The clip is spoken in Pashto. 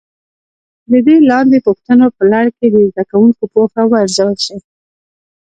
د دې لاندې پوښتنو په لړ کې د زده کوونکو پوهه وارزول شي.